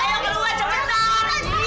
ayo keluar cepetan